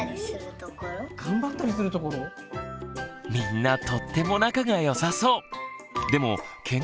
みんなとっても仲がよさそう！